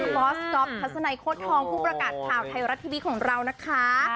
บอสก๊อฟทัศนัยโค้ดทองผู้ประกาศข่าวไทยรัฐทีวีของเรานะคะ